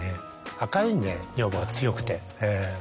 明るいんで女房は強くてええ。